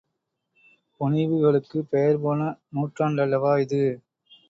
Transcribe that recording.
புனைவுகளுக்குப் பெயர்போன நூற்றாண்டல்லவா இது!